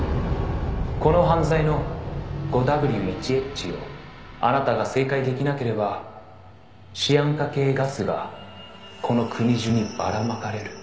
「この犯罪の５Ｗ１Ｈをあなたが正解できなければシアン化系ガスがこの国中にばらまかれる」